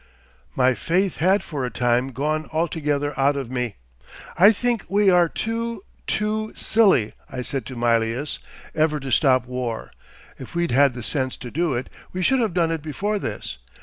..." 'My faith had for a time gone altogether out of me. "I think we are too—too silly," I said to Mylius, "ever to stop war. If we'd had the sense to do it, we should have done it before this.